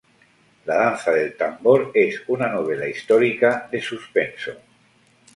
La Danza del Tambor es una novela histórica de suspenso.